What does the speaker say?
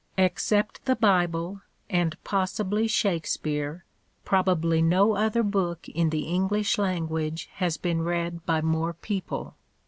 Except the Bible, and possibly Shakespeare, probably no other book in the English language has been read by more people.